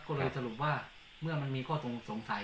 ก็เลยสรุปว่าเมื่อมันมีข้อสงสัย